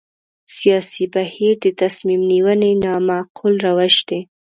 سیاسي بهیر د تصمیم نیونې نامعقول روش دی.